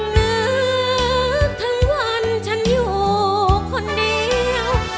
นึกถึงวันฉันอยู่คนเดียว